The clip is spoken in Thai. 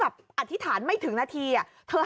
การนอนไม่จำเป็นต้องมีอะไรกัน